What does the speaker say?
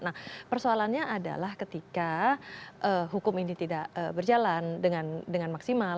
nah persoalannya adalah ketika hukum ini tidak berjalan dengan maksimal